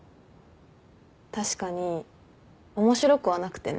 確かに面白くはなくてね。